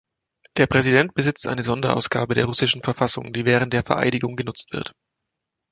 Der Präsident besitzt eine Sonderausgabe der russischen Verfassung, die während der Vereidigung genutzt wird.